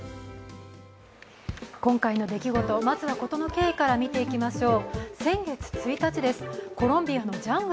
今回の出来事、まずは事の経緯から見ていきましょう。